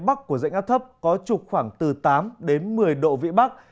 nền nhiệt độ của dãy ngáp thấp có trục khoảng từ tám một mươi độ vị bắc